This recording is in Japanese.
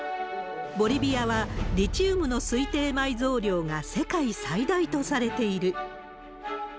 ボリビアは、リチウムの推定埋蔵量が世界最大とされている。